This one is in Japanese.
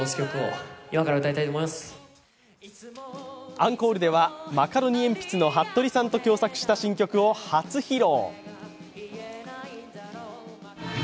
アンコールではマカロニえんぴつのはっとりさんと共作した新曲を初披露。